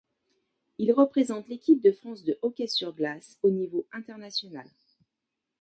Il représente l'Équipe de France de hockey sur glace au niveau international.